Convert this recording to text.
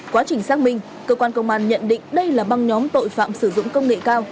quá trình xác minh cơ quan công an nhận định đây là băng nhóm tội phạm sử dụng công nghệ cao